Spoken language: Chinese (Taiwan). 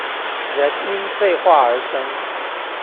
人因廢話而生